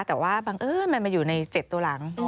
แต่ว่าบังเอิญมันมาอยู่ใน๗ตัวหลัง